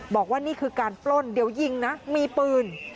บอกว่านี่คือการปล้นเดี๋ยวยิงนะมีปืน